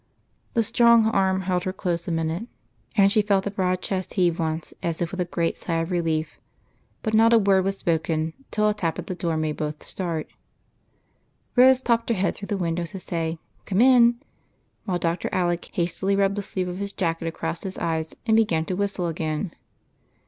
The strong arm held her close a minute, and she felt the broad chest heave once as if with a great sigh of relief ; but not a word was spoken till a tap at the door made both start. Rose popped her head through the window to say " come in," while Dr. Alec hastily rubbed the sleeve of his jacket across his eyes and began to whistle again.